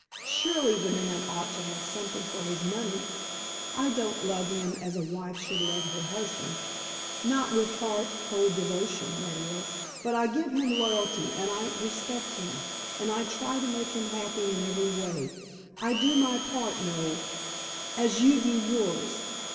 Surely the man ought to have something for his money. I don't love him as a wife should love her husband, not with heart whole devotion, that is. But I give him loyalty, and I respect him, and I try to make him happy in every way. I do my part, Noel, as you do yours.